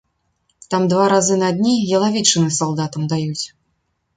Там два разы на дні ялавічыны салдатам даюць.